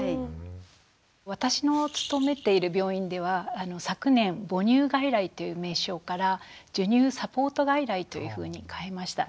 私の勤めている病院では昨年「母乳外来」という名称から「授乳サポート外来」というふうに変えました。